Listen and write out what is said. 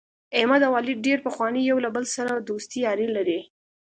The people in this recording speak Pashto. احمد او علي ډېر پخوا یو له بل سره دوستي یاري لري.